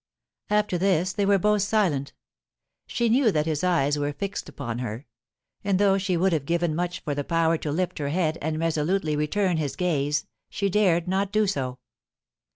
After this, they were both silent She knew that his eyes were fixed upon her; and though she would have given much for the power to lift her head and resolutely return his gaze, she dared not do so.